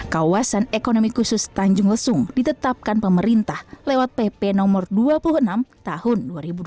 kawasan ekonomi khusus tanjung lesung ditetapkan pemerintah lewat pp no dua puluh enam tahun dua ribu dua puluh